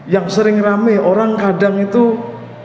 yang sering rame orang kadang itu mengaitkan allah